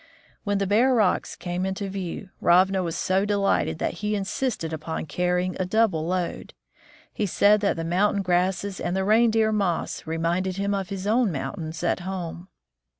When the bare rocks came in view, Ravna was so delighted that he insisted upon carrying a double load. He said that the mountain grasses and the reindeer moss reminded him of his own mountains at home.